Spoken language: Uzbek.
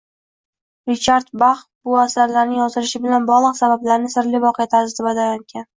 Richard Bax bu asarining yozilishi bilan bog‘liq sabablarni sirli voqea tarzida bayon etgan.